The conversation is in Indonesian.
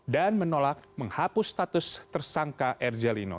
dan menolak menghapus status tersangka r j lino